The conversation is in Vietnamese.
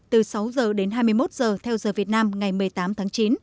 từ sáu giờ đến hai mươi một giờ theo giờ việt nam ngày một mươi tám tháng chín